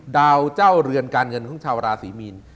ดาวเจ้าเรือนการเงินของชาวราศีมีน